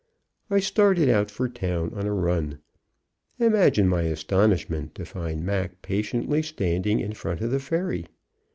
I started out for town on a run. Imagine my astonishment to find Mac patiently standing in front of the ferry.